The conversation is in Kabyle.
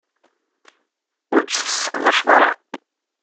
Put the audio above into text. Ur tt-tesseqdac ara.